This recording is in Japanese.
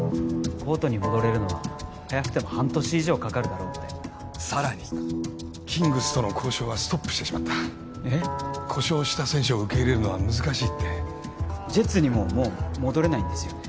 コートに戻れるのは早くても半年以上かかるだろうってさらにキングスとの交渉はストップしてしまった故障した選手を受け入れるのは難しいってジェッツにももう戻れないんですよね？